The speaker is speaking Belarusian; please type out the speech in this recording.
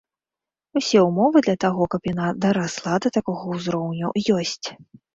Усе ўмовы для таго, каб яна дарасла да такога ўзроўню, ёсць.